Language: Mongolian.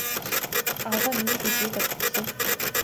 Авгай миний биед юу байдаг билээ?